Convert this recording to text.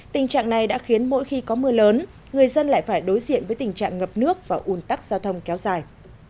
tình trạng này đã khiến mỗi khi có mưa lớn người dân lại phải đối diện với tình trạng ngập nước và un tắc giao thông kéo dài